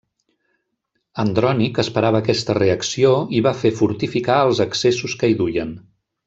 Andrònic esperava aquesta reacció i va fer fortificar els accessos que hi duien.